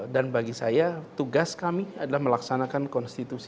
dan bagi saya tugas kami adalah melaksanakan konsentrasi